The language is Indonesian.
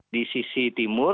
di sisi timur